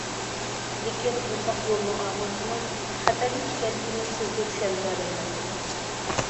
لېكىن بۇنداق يولنىڭ ئاقىۋىتىنىڭ خەتەرلىك ئىكەنلىكىنى سىزگە چۈشەندۈرەلەيمەن.